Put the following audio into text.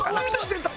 出た！